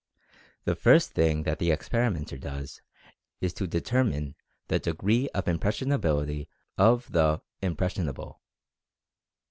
The first thing that the experimenter does is to de termine the degree of impressionability of the, "im pressionable."